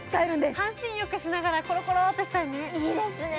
半身浴しながらコロコロってしたいね。